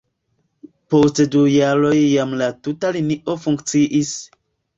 Post du jaroj jam la tuta linio funkciis.